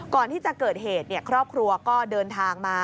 ก่อนที่จะเกิดเหตุครอบครัวก็เดินทางมา